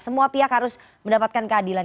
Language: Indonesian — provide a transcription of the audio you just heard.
semua pihak harus mendapatkan keadilan